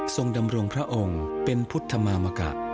ดำรงพระองค์เป็นพุทธมามกะ